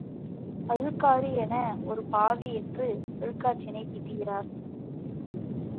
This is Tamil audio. அழுக்காறு என ஒருபாவி என்று அழுக்காற்றினைத் திட்டுகிறார்.